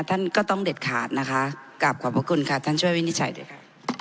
ท่านก็ต้องเด็ดขาดนะคะกราบขอบพระคุณค่ะท่านช่วยวินิจฉัยด้วยค่ะ